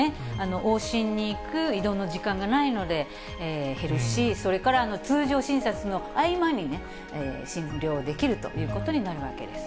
往診に行く移動の時間がないので減るし、それから通常診察の合間に、診療できるということになるわけです。